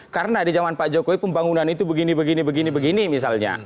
karena di zaman pak jokowi pembangunan itu begini begini begini begini misalnya